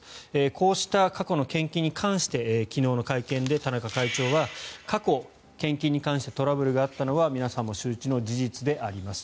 こうした過去の献金に関して昨日の会見で田中会長は過去、献金に関してトラブルがあったのは皆さんも周知の事実であります。